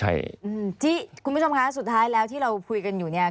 จิ๊คุณผู้ชมคะสุดท้ายแล้วที่เราพูดกันอยู่เนี่ย